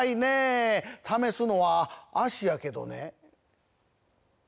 試すのは「脚」やけどね